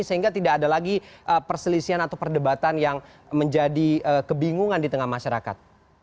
sehingga tidak ada lagi perselisihan atau perdebatan yang menjadi kebingungan di tengah masyarakat